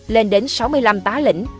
lên đến sáu mươi năm tá lĩnh